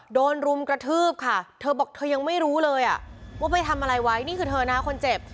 รุมกระทืบค่ะเธอบอกเธอยังไม่รู้เลยอ่ะว่าไปทำอะไรไว้นี่คือเธอนะคนเจ็บ